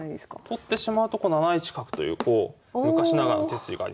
取ってしまうと７一角という昔ながらの手筋がありますね。